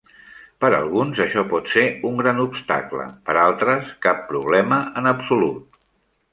Per alguns, això pot ser un gran obstacle, per altres cap problema en absolut.